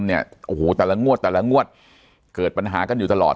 เนี่ยโอ้โหแต่ละงวดแต่ละงวดเกิดปัญหากันอยู่ตลอด